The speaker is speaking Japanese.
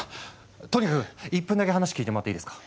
とにかく１分だけ話聞いてもらっていいですか？